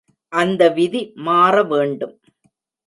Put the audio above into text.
அந்த விதி மாறவேண்டும்.